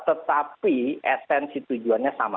tetapi esensi tujuannya sama